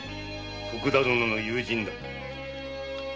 徳田殿の友人だ。